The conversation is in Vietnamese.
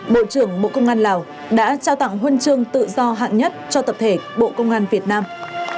bộ trưởng bộ công an lào đã trao tặng huân chương tự do hạng nhất cho tập thể bộ công an việt nam